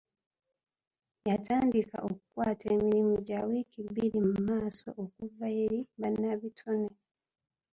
Yatandika okukwata emirimu gya wiiki bbiri mu maaso okuva eri bannabitone.